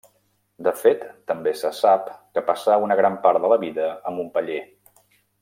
De fet, també se sap que passà una gran part de la vida a Montpeller.